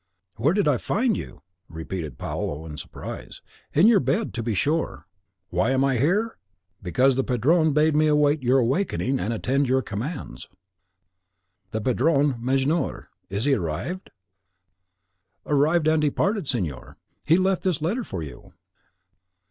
"Where did I find you!" repeated Paolo, in surprise, "in your bed, to be sure. Why am I here! because the Padrone bade me await your waking, and attend your commands." "The Padrone, Mejnour! is he arrived?" "Arrived and departed, signor. He has left this letter for you."